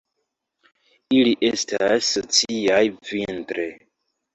Ili estas sociaj vintre.